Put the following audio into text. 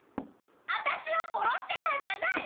私は殺してなんかない！